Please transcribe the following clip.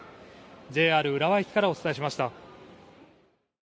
ＪＲ浦和駅からお伝えしました。